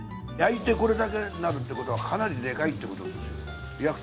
焼いてこれだけなるってことはかなりでかいってことですよ。